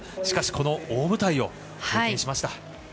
しかしこの大舞台を経験しました。